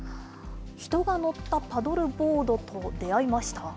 人が乗ったパドルボードと出会いました。